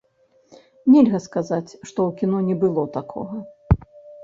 Нельга сказаць, што ў кіно не было такога.